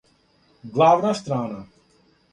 Главна страна